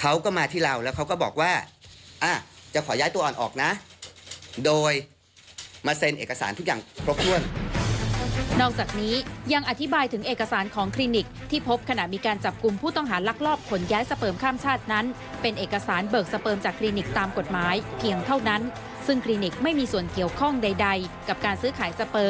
เขาก็มาที่เราแล้วเขาก็บอกว่าอ่ะจะขอย้ายตัวอ่อนออกนะโดยมาเซ็นเอกสารทุกอย่างครบถ้วนนอกจากนี้ยังอธิบายถึงเอกสารของคลินิกที่พบขณะมีการจับกลุ่มผู้ต้องหาลักลอบขนย้ายสเปิมข้ามชาตินั้นเป็นเอกสารเบิกสเปิมจากคลินิกตามกฎหมายเพียงเท่านั้นซึ่งคลินิกไม่มีส่วนเกี่ยวข้องใดใดกับการซื้อขายสเปิ